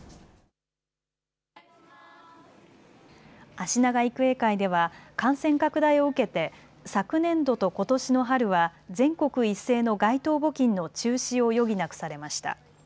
あしなが育英会では感染拡大を受けて昨年度とことしの春は全国一斉の街頭募金の中止を余儀なくされました。